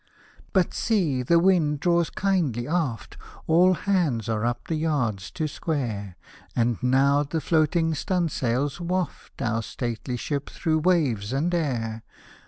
But see the wind draws kindly aft, All hands are up the yards to square, And now the floating stu'n sails waft Our stately ship through waves and air.